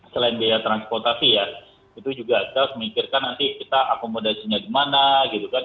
selain biaya transportasi ya itu juga kita harus memikirkan nanti kita akomodasinya di mana gitu kan